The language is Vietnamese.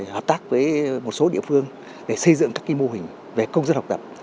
hợp tác với một số địa phương để xây dựng các mô hình về công dân học tập